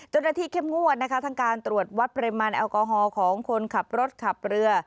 เข้มงวดนะคะทั้งการตรวจวัดปริมาณแอลกอฮอล์ของคนขับรถขับเรือ